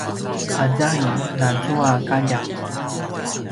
a zaing nazua kaljat